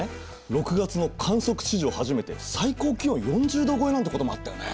６月の観測史上初めて最高気温４０℃超えなんてこともあったよね。